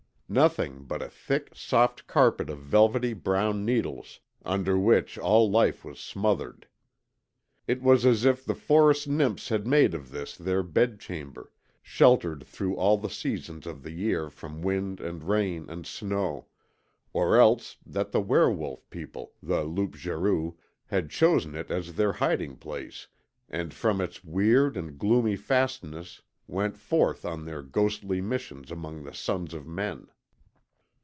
Nothing but a thick, soft carpet of velvety brown needles under which all life was smothered. It was as if the forest nymphs had made of this their bedchamber, sheltered through all the seasons of the year from wind and rain and snow; or else that the were wolf people the loup garou had chosen it as their hiding place and from its weird and gloomy fastnesses went forth on their ghostly missions among the sons of men.